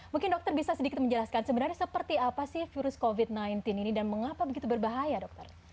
mungkin dokter bisa sedikit menjelaskan sebenarnya seperti apa sih virus covid sembilan belas ini dan mengapa begitu berbahaya dokter